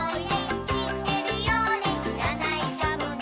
知ってるようで知らないかもね」